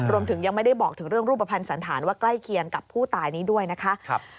ยังไม่ได้บอกถึงเรื่องรูปภัณฑ์สันธารว่าใกล้เคียงกับผู้ตายนี้ด้วยนะคะ